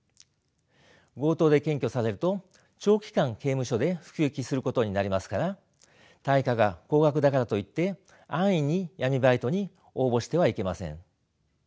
強盗で検挙されると長期間刑務所で服役することになりますから対価が高額だからといって安易に闇バイトに応募してはいけません。